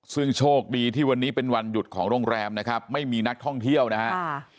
ซึ่งโชคดีที่วันนี้เป็นวันหยุดของโรงแรมนะครับไม่มีนักท่องเที่ยวนะครับ